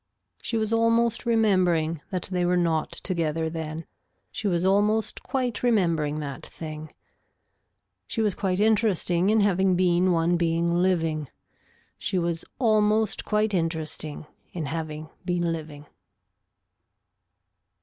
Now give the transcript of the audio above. She was almost remembering that they were not together then. She was almost quite remembering that thing. She was quite interesting in having been one being living. She was almost quite interesting in having been living.